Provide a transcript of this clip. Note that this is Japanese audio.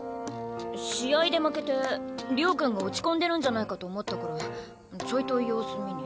試合で負けて遼君が落ち込んでるんじゃないかと思ったからちょいと様子見に。